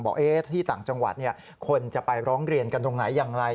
บอกที่ต่างจังหวัดคนจะไปร้องเรียนกันตรงไหนอย่างไร